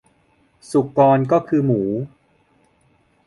สุกรก็คือหมู